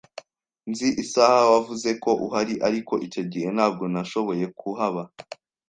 Nzi isaha wavuze ko uhari, ariko icyo gihe ntabwo nashoboye kuhaba.